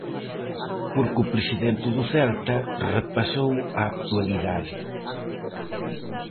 Porque o presidente do Celta repasou a actualidade.